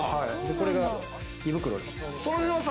これが胃袋です。